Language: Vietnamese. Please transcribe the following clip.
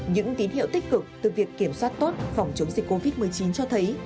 những tín hiệu tích cực từ việc kiểm soát tốt phòng chống dịch covid một mươi chín cho thấy